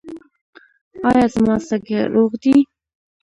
ایا زما سږي روغ دي؟